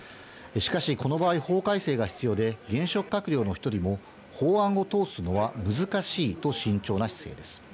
しかし、この場合、法改正が必要で、現職閣僚の一人も、法案を通すのは難しいと慎重な姿勢です。